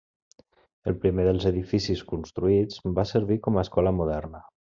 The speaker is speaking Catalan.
El primer dels edificis construïts va servir com a escola moderna.